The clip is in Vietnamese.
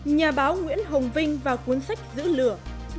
nhà báo nguyễn hồng vinh vào cuốn sách giữ lửa